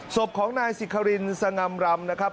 ศพของนายสิครินสง่ำรำนะครับ